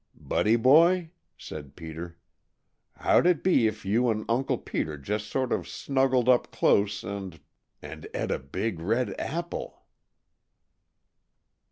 "Buddy boy," said Peter, "how'd it be if you and Uncle Peter just sort of snuggled up close and and et a big, red apple?"